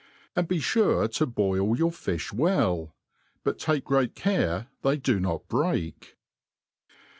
And be fure to boil your fi(h well f but take ipreat c^fc Ibej do not break.